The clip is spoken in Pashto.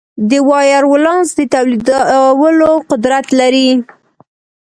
د وایرولانس د تولیدولو قدرت لري.